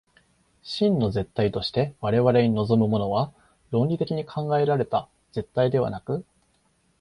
真の絶対として我々に臨むものは、論理的に考えられた絶対ではなく、